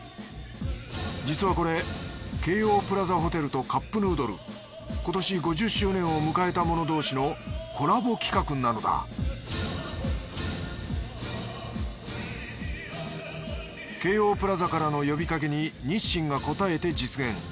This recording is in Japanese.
実はこれ京王プラザホテルとカップヌードル今年５０周年を迎えたもの同士のコラボ企画なのだ京王プラザからの呼びかけに日清が応えて実現。